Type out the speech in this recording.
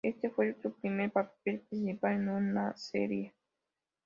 Este fue su primer papel principal en una serie.